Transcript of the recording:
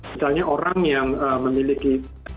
misalnya orang yang memiliki